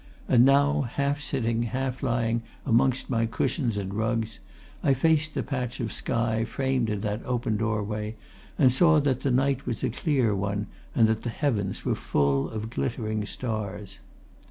And now, half sitting, half lying amongst my cushions and rugs, I faced the patch of sky framed in that open doorway and saw that the night was a clear one and that the heavens were full of glittering stars.